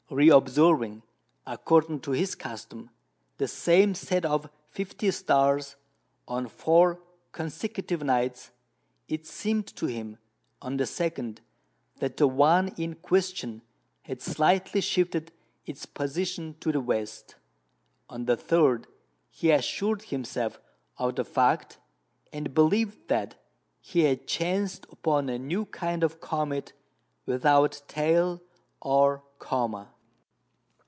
Reobserving, according to his custom, the same set of fifty stars on four consecutive nights, it seemed to him, on the 2nd, that the one in question had slightly shifted its position to the west; on the 3rd he assured himself of the fact, and believed that he had chanced upon a new kind of comet without tail or coma.